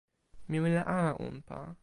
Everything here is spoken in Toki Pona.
mi wile ala unpa.